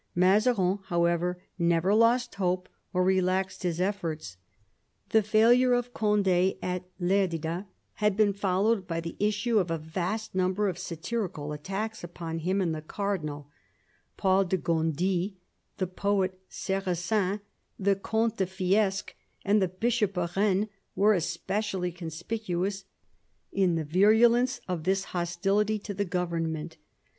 Mazarin, however, never lost hope or relaxed his efforts. The failure of Cond^ at Lerida had been followed by the issue of a vast number of satirical attacks upon him, and the cardinal, Paul de Gondi, the poet Sarrasin, the Comte de Fiesque, and the Bishop of Rennes were especially conspicuous in the virulence of this hostility to the government.